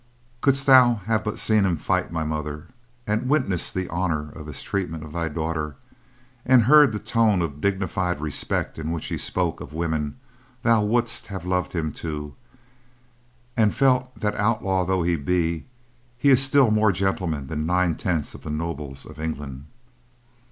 "Couldst thou but have seen him fight, my mother, and witnessed the honor of his treatment of thy daughter, and heard the tone of dignified respect in which he spoke of women thou wouldst have loved him, too, and felt that outlaw though he be, he is still more a gentleman than nine tenths the nobles of England."